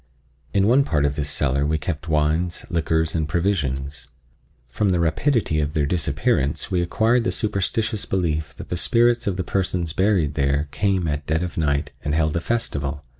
In one part of this cellar we kept wines, liquors and provisions. From the rapidity of their disappearance we acquired the superstitious belief that the spirits of the persons buried there came at dead of night and held a festival.